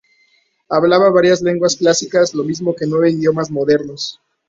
Hablaba varias lenguas clásicas lo mismo que nueve idiomas modernos.